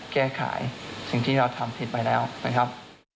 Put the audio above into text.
แก้ไขสิ่งที่เราทำผิดไปแล้วนะครับ